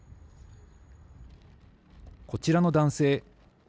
こちらの男性。